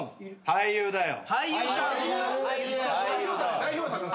俳優だよ。